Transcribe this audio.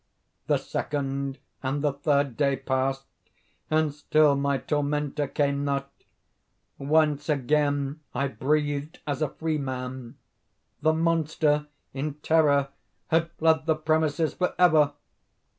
The second and the third day passed, and still my tormentor came not. Once again I breathed as a freeman. The monster, in terror, had fled the premises forever!